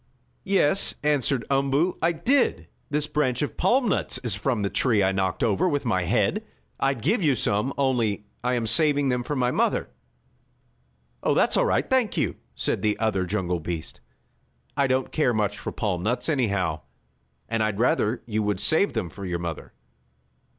"Yes," answered Umboo, "I did. This branch of palm nuts is from the tree I knocked over with my head. I'd give you some, only I am saving them for my mother." "Oh, that's all right; thank you," said the other jungle beast. "I don't care much for palm nuts anyhow, and I'd rather you would save them for your mother."